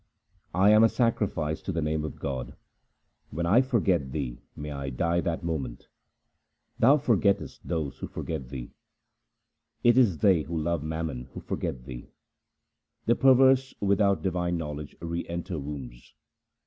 I am a sacrifice to the name of God ; When I forget Thee may I die that moment ! Thou forgettest those who forget Thee — It is they who love mammon who forget Thee — The perverse without divine knowledge re enter wombs.